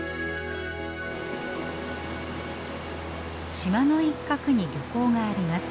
島の一角に漁港があります。